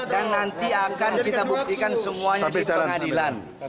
dan nanti akan kita buktikan semuanya di pengadilan